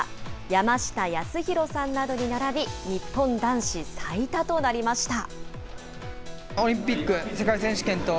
山下泰裕さんなどに並び、日本男子最多となりました。